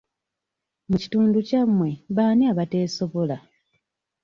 Mu kitundu kyammwe baani abateesobola?